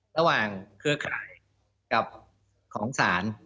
ระหว่างเครือข่ายกับของสาร